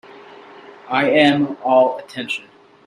I am all attention.